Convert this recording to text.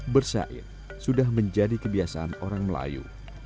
bersyair sudah menjadi kebiasaan orang melayu